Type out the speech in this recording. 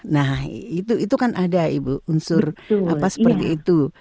nah itu kan ada ibu unsur apa seperti itu